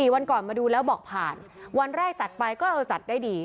วันก่อนมาดูแล้วบอกผ่านวันแรกจัดไปก็เออจัดได้ดี